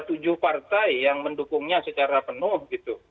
ada tujuh partai yang mendukungnya secara penuh gitu